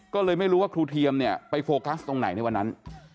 ก็เลยไม่รู้ว่าครูเทียมเนี่ยไปโฟกัสตรงไหนในวันนั้น